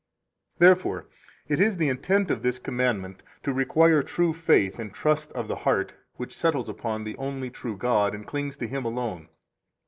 4 Therefore it is the intent of this commandment to require true faith and trust of the heart which settles upon the only true God, and clings to Him alone.